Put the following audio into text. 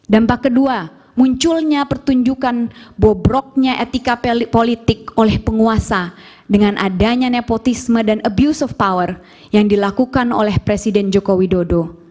dampak kedua munculnya pertunjukan bobroknya etika politik oleh penguasa dengan adanya nepotisme dan abuse of power yang dilakukan oleh presiden joko widodo